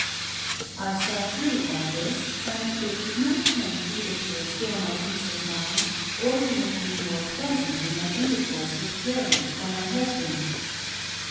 I saw through all this and it did not tend either to restore my peace of mind or to make me more pleasant in my intercourse with Carrie or my husband.